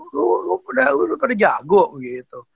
tuh udah pada jago gitu